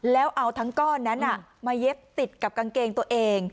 แล้วเอาทั้งก้อนนั้นมาเย็บติดกับกางเกงตัวเอง